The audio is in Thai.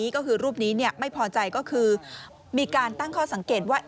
ก็คือรูปนี้ไม่พอใจก็คือมีการตั้งข้อสังเกตว่า